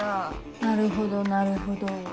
なるほどなるほど。